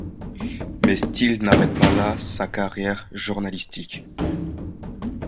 Mais Steele n'arrête pas là sa carrière journalistique.